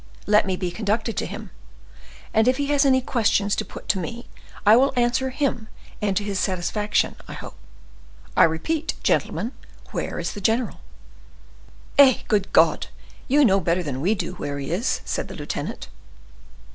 Let me be conducted to him, and if he has any questions to put to me, I will answer him and to his satisfaction, I hope. I repeat, gentlemen, where is the general?" "Eh! good God! you know better than we do where he is," said the lieutenant.